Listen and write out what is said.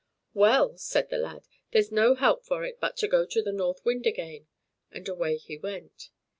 "Well," said the lad, "there's no help for it but to go to the North Wind again;" and away he went.